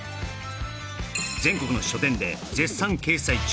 全国の書店で絶賛掲載中